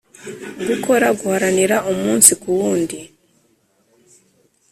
gukora, guharanira umunsi kuwundi,